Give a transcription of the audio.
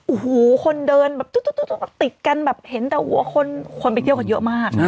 โอ้โหคนเดินแบบติดกันแบบเห็นแต่หัวคนไปเที่ยวกันเยอะมาก